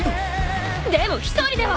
でも１人では。